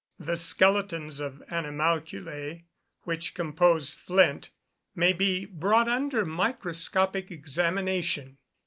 The skeletons of animalculæ which compose flint may be brought under microscopic examination.